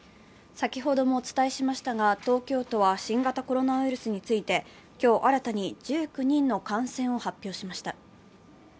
先ほどもお伝えしましたが東京都は新型コロナウイルスについて今日新たに１９人の感染を発表しました。